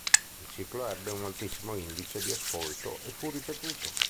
Il ciclo ebbe un altissimo indice di ascolto e fu ripetuto.